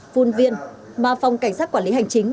phun viên mà phòng cảnh sát quản lý hành chính